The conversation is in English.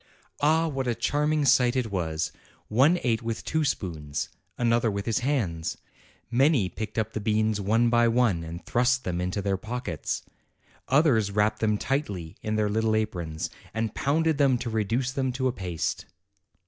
Ah, what a charming sight it was! One ate with two spoons, another with his hands; many picked up the beans one by one, and thrust them into their pockets; others wrapped them tightly in their little aprons, and pounded them to reduce them to a paste.